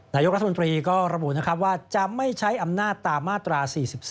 นายกรัฐมนตรีก็ระบุนะครับว่าจะไม่ใช้อำนาจตามมาตรา๔๔